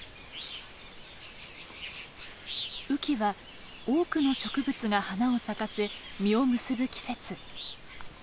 雨季は多くの植物が花を咲かせ実を結ぶ季節。